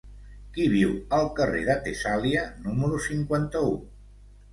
Qui viu al carrer de Tessàlia número cinquanta-u?